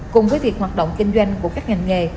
cùng với việc hoạt động kinh doanh của các ngành nghề